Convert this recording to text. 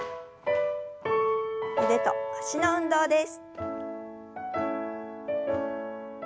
腕と脚の運動です。